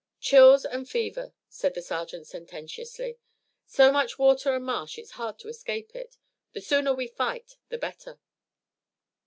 "Chills and fever," said the sergeant sententiously. "So much water and marsh it's hard to escape it. The sooner we fight the better."